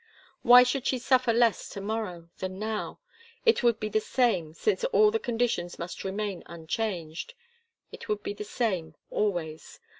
Why should she suffer less to morrow than now? It would be the same, since all the conditions must remain unchanged. It would be the same always.